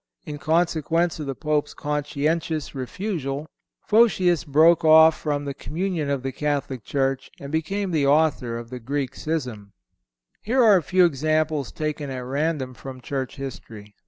In consequence of the Pope's conscientious refusal Photius broke off from the communion of the Catholic Church and became the author of the Greek schism. Here are a few examples taken at random from Church History.